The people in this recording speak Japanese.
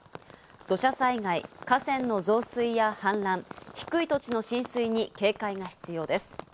土砂災害、河川の増水や氾濫、低い土地の浸水に警戒が必要です。